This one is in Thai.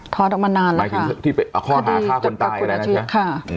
ถอนออกมานานแล้วค่ะคดีกับคุณอาชิริยะค่ะ